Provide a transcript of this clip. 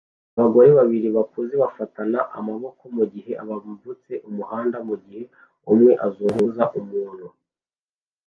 Abagore babiri bakuze bafatana amaboko mugihe bambutse umuhanda mugihe umwe azunguza umuntu